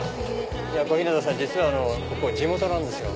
小日向さん実は地元なんですよ。